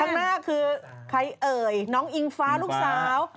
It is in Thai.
ข้างหน้าคือใครเอ่ยน้องอิงฟ้าลูกสาว